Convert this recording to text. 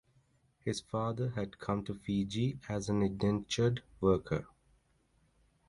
His father had come to Fiji as an indentured worker.